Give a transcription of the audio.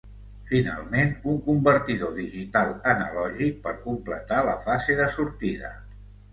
Finalment, un convertidor digital/analògic per completar la fase de sortida.